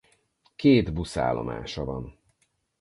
Két buszállomása van.